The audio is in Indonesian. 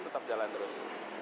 tetap jalan terus